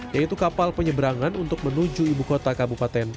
yaitu kapal penyeberangan untuk menuju ibu kota kabupaten